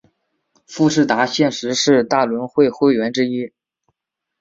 富士达现时是大轮会会员之一。